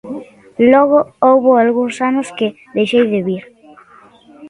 Logo, houbo algúns anos que deixei de vir.